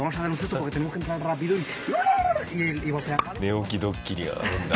寝起きドッキリやるんだ。